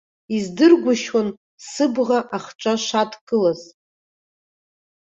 Издыргәышьон сыбӷа ахҿа шадкылаз.